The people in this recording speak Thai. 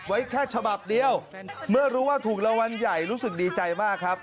ไว้แค่ฉบับเดียวเมื่อรู้ว่าถูกรางวัลใหญ่รู้สึกดีใจมากครับ